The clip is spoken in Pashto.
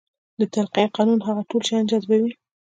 د تلقين قانون هغه ټول شيان جذبوي.